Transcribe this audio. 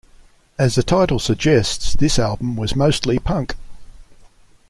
As the title suggests, this album was mostly punk.